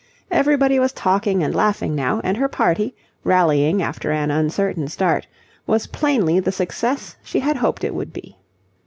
Everybody was talking and laughing now, and her party, rallying after an uncertain start, was plainly the success she had hoped it would be.